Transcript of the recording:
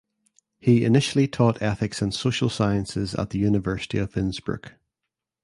He initially taught ethics and social sciences at the University of Innsbruck.